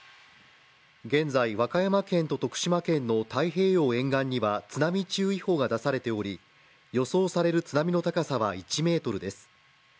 現在、和歌山県と徳島県の太平洋沿岸には津波注意報が出されており、予想される津波の高さは１ｍです。